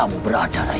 kamu berada raih